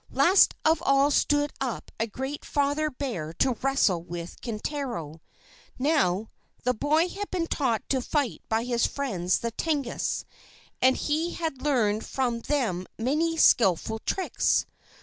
Last of all stood up a great father bear to wrestle with Kintaro. Now, the boy had been taught to fight by his friends the Tengus; and he had learned from them many skilful tricks.